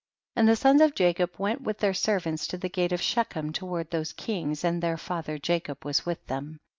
37. And the sons of Jacob went ■with their servants to the gate of She chem, toward those kings, and their father Jacob was with them.